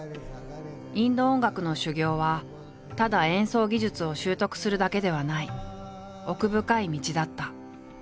インド音楽の修業はただ演奏技術を習得するだけではない奥深い道だった。